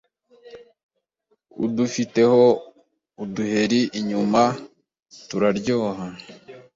udufiteho uduheri inyuma turaryoshya